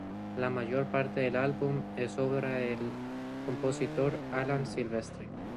La mayor parte del álbum es obra del compositor Alan Silvestri.